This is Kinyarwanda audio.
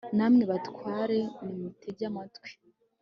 namwe batware, nimutege amatwi